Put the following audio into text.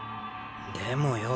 でもよ